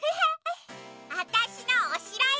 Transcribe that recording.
わたしのおしろよ！